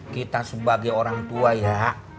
kita sebagai orang tua ya